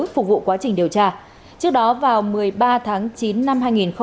phục vụ quá trình điều tra trước đó vào một mươi ba tháng chín năm hai nghìn hai mươi ba